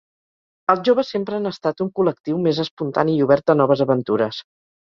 Els joves sempre han estat un col·lectiu més espontani i obert a noves aventures.